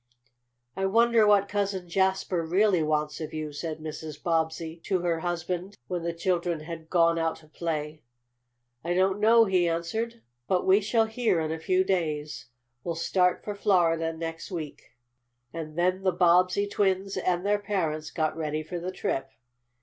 "I wonder what Cousin Jasper really wants of you," said Mrs. Bobbsey to her husband, when the children had gone out to play. "I don't know," he answered, "but we shall hear in a few days. We'll start for Florida next week." And then the Bobbsey twins and their parents got ready for the trip.